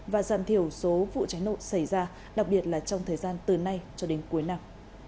và giảm thiểu số vụ cháy nổ xảy ra đặc biệt là trong thời gian từ nay cho đến cuối năm